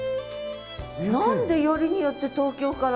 何でよりによって東京から？